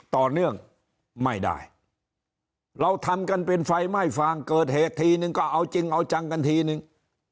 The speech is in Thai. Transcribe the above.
ต่อเนื่องไม่ได้เราทำกันเป็นไฟไหม้ฟางเกิดเหตุทีนึงก็เอาจริงเอาจังกันทีนึง